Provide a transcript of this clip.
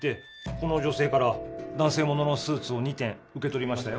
この女性から男性もののスーツを２点受け取りましたよ